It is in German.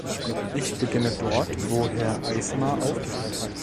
Ich beginne dort, wo Herr Eisma aufgehört hat.